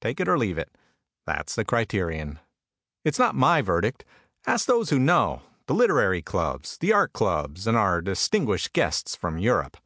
Take it or leave it. That's the criterion. It's not my verdict. Ask those who know, the literary clubs, the art clubs and our distinguished guests from Europe.